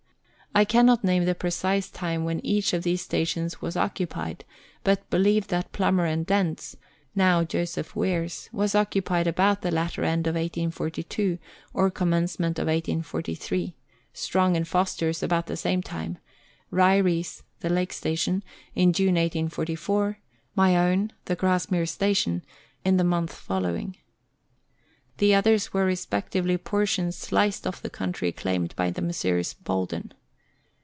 I cannot name the precise time when each of these stations was occupied, but be lieve that Plummer and Dent's (now Joseph Ware's) was occupied about the latter end of 1842 or commencement of 1843 ; Strong and Foster's about the same time ; Ryrie's (the Lake Station) in June 1844 ; my own (the Grasmere Station) in the month follow ing. The others were respectively portions sliced off the country claimed by the Messrs. Bolden.